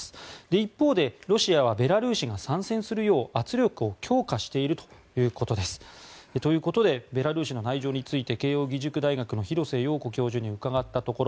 一方でロシアはベラルーシが参戦するよう圧力を強化しているということです。ということでベラルーシの内情について慶應義塾大学の廣瀬陽子教授に伺ったところ